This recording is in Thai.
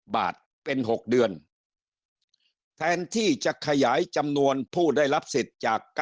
บาทเป็น๖เดือนแทนที่จะขยายจำนวนผู้ได้รับสิทธิ์จาก๙